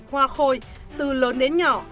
hoa khôi từ lớn đến nhỏ